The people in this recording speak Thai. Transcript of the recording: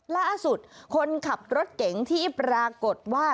ล่าสุดคนขับรถเก๋งที่ปรากฏว่า